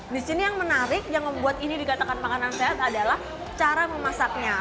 di sini yang menarik yang membuat ini dikatakan makanan sehat adalah cara memasaknya